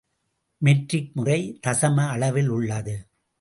Matric முறை தசம அளவில் உள்ளது.